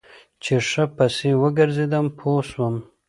چې ښه پسې وګرځېدم پوه سوم.